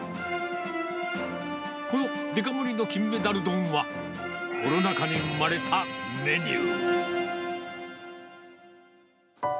このデカ盛りの金メダル丼は、コロナ禍に生まれたメニュー。